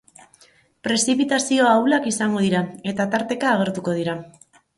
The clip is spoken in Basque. Prezipitazio ahulak izango dira, eta tarteka agertuko dira.